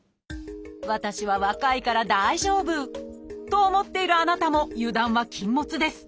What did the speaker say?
私は若いから大丈夫！と思っているあなたも油断は禁物です。